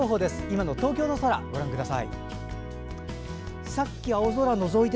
今の東京の空ご覧ください。